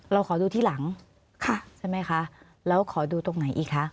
เราขอดูที่หลังใช่ไหมคะแล้วขอดูตรงไหนอีกคะ